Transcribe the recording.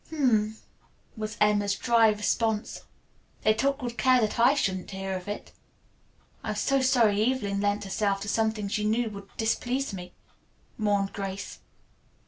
"H m m!" was Emma's dry response. "They took good care that I shouldn't hear of it." "I'm so sorry Evelyn lent herself to something she knew would displease me," mourned Grace.